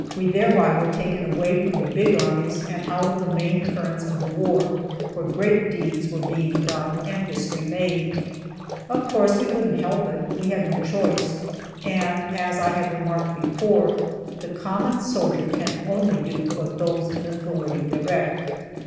We thereby were taken away from the big armies, and out of the main currents of the war, where great deeds were being done, and history made. Of course we couldn't help it; we had no choice; and, as I have remarked before, the common soldier can only do what those in authority direct.